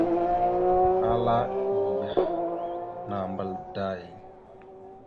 Ala iyah, nambal day !